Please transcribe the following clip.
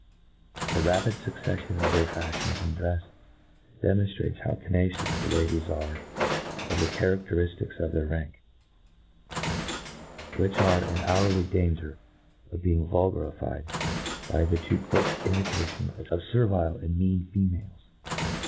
The rapid fucceffion of their fafhions in drefs demonftrates how tenacious the ladies are of the charaderiftics of their rank, which arc in hourly danger of being vulgarifed by the too quick imitation of fervile and mean females.